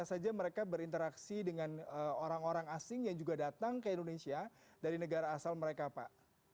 apa saja mereka berinteraksi dengan orang orang asing yang juga datang ke indonesia dari negara asal mereka pak